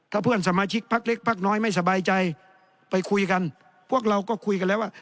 ถ้าเพื่อนสมาชิกพักเล็กพักน้อยไม่สบายใจไปคุยกันพวกเราก็คุยกันแล้วว่า